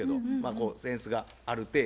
こう扇子があるていで。